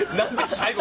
最後。